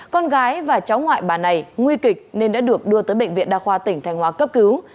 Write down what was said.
con gái và cháu ngoại bà này nguy kịch nên đã được đưa tới bệnh viện đa khoa tỉnh thanh hóa cấp cứu